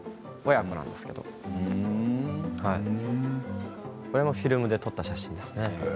親子なんですけどこれもフィルムで撮った写真です。